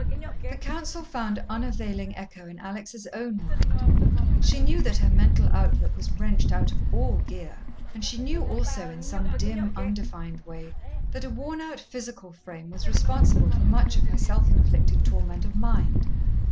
The counsel found unavailing echo in Alex' own mind. She knew that her mental outlook was wrenched out of all gear, and she knew also, in some dim, undefined way, that a worn out physical frame was responsible for much of her self inflicted torment of mind.